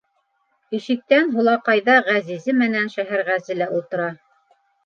Ишектән һулаҡайҙа Ғәзизе менән Шәһәрғәзе лә ултыра.